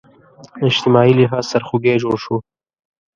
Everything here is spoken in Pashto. اجتماعي لحاظ سرخوږی جوړ شو